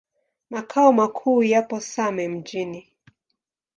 Makao makuu yapo Same Mjini.